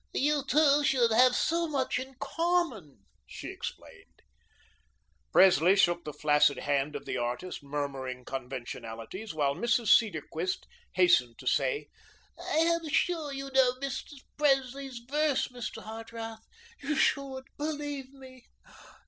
"You two should have so much in common," she explained. Presley shook the flaccid hand of the artist, murmuring conventionalities, while Mrs. Cedarquist hastened to say: "I am sure you know Mr. Presley's verse, Mr. Hartrath. You should, believe me.